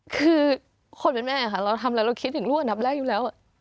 คือคนเป็นแม่ค่ะเราทำแล้วเราคิดถึงลูกอันดับแรกอยู่แล้ว